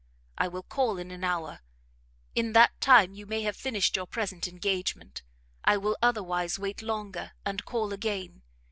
I will call in an hour; in that time you may have finished your present engagement. I will otherwise wait longer, and call again.